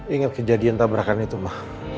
ingat kejadian tabrakan itu mah